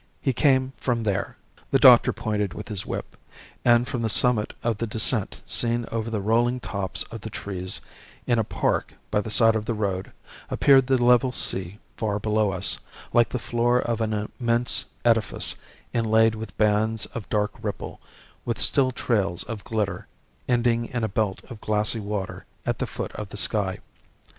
He came from there." The doctor pointed with his whip, and from the summit of the descent seen over the rolling tops of the trees in a park by the side of the road, appeared the level sea far below us, like the floor of an immense edifice inlaid with bands of dark ripple, with still trails of glitter, ending in a belt of glassy water at the foot of the sky.